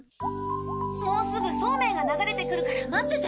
もうすぐそうめんが流れてくるから待ってて。